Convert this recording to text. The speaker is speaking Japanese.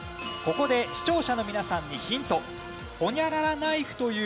ここで視聴者の皆さんにヒント。